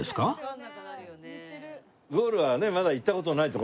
ゴールはねまだ行った事ない所。